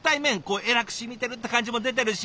えらくしみてるって感じも出てるし。